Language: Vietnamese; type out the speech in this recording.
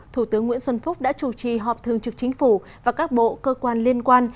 thủ tướng nguyễn xuân phúc đã chủ trì họp thường trực chính phủ và các bộ cơ quan liên quan